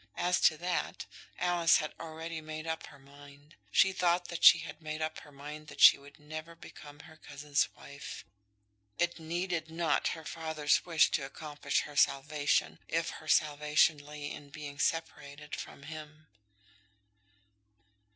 As to that, Alice had already made up her mind. She thought that she had made up her mind that she would never become her cousin's wife. It needed not her father's wish to accomplish her salvation, if her salvation lay in being separated from him.